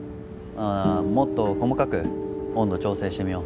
もっと細かく温度調整してみよう。